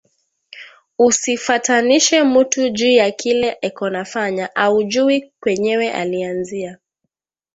Usifatanishe mutu juya kile eko nafanya aujuwi kwenyewe alianzia